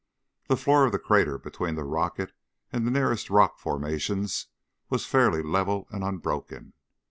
The floor of the crater between the rocket and the nearest rock formations was fairly level and unbroken.